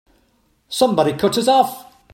Somebody cut us off!